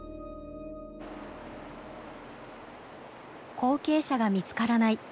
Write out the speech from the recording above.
後継者が見つからない。